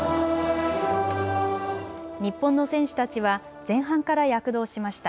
日本の選手たちは前半から躍動しました。